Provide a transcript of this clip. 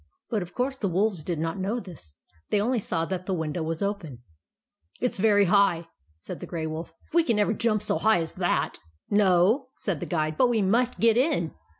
But of TRICKS OF THE BAD WOLF 151 course the wolves did not know this. They only saw that the window was open. "It's very high," said the Grey Wolf. "We can never jump so high as that." " No," said the Guide; " but we must get in.